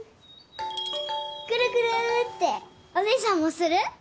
くるくるってお姉さんもする？